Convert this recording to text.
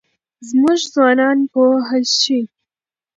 زموږ ځوانان پوه شي.